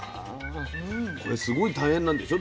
これすごい大変なんでしょ？